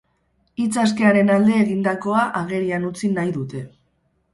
Hitz askearen alde egindakoa agerian utzi nahi dute.